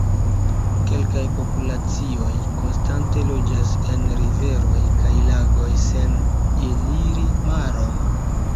Kelkaj populacioj konstante loĝas en riveroj kaj lagoj sen eliri maron.